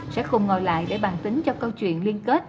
sẽ không ngồi lại để bàn tính cho câu chuyện liên kết